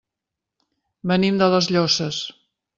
Venim de les Llosses.